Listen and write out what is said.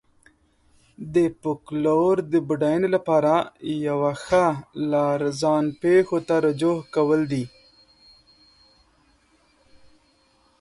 د فولکلور د بډاینې لپاره یوه ښه لار ځان پېښو ته رجوع کول دي.